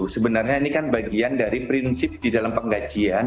sebenarnya ini kan bagian dari prinsip di dalam penggajian